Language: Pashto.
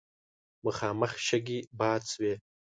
مخامخ شګې باد شوې.